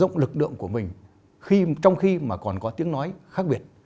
mở rộng lực lượng của mình trong khi mà còn có tiếng nói khác biệt